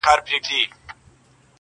• خو ټول حقيقت نه مومي هېڅکله..